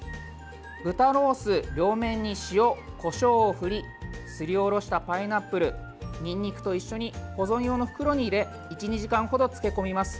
豚ロース両面に塩、こしょうを振りすりおろしたパイナップルにんにくと一緒に保存用の袋に入れ１２時間ほど漬け込みます。